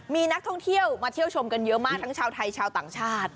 มีนักท่องเที่ยวมาเที่ยวชมกันเยอะมากทั้งชาวไทยชาวต่างชาติ